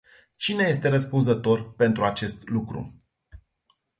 Cine este răspunzător pentru acest lucru?